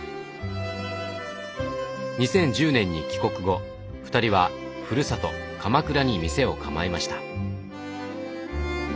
２０１０年に帰国後２人はふるさと鎌倉に店を構えました。